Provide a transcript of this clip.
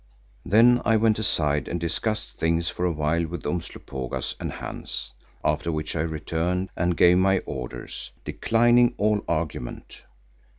Then I went aside and discussed things for a while with Umslopogaas and Hans, after which I returned and gave my orders, declining all argument.